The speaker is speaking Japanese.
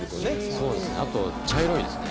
そうですね